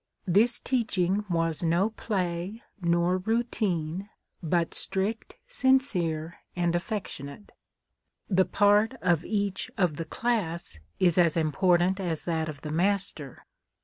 This teaching was no play nor routine, but strict, sincere, and affectionate. The part of each of the class is as im portant as that of the master.